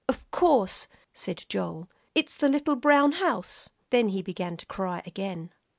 "Of course," said Joel; "it's the little brown house " then he began to cry again.